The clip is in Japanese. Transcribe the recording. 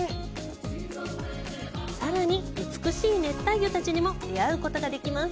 さらに、美しい熱帯魚たちにも出会うことができます。